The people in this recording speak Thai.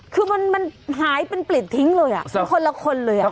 คือมันหายเป็นปลิดทิ้งเลยคนละคนเลย